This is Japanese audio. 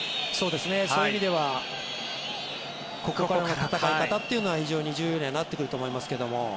そういう意味ではここから戦い方というのは重要になってくると思いますが。